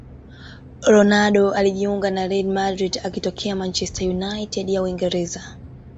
ronaldo alijiunga na real madrid akitokea manchester united ya uingereza